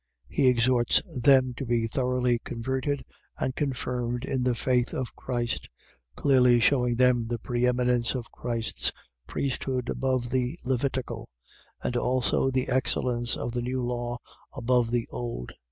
He exhorts them to be thoroughly converted and confirmed in the faith of Christ, clearly shewing them the preeminence of Christ's priesthood above the Levitical, and also the excellence of the new law above the old.